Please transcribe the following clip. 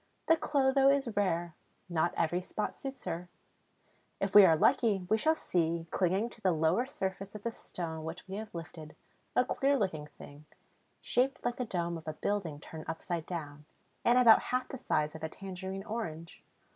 The Clotho is rare; not every spot suits her. If we are lucky, we shall see, clinging to the lower surface of the stone which we have lifted, a queer looking thing, shaped like the dome of a building turned upside down, and about half the size of a tangerine orange.